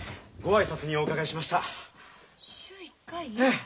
ええ。